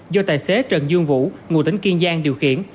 do tài xế trần dương vũ ngụ tỉnh kiên giang điều khiển